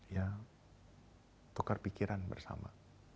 ya tukar pikiran bersama